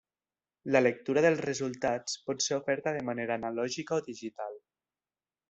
La lectura dels resultats pot ser oferta de manera analògica o digital.